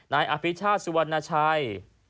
นายอภิชาติสุวรรณชัย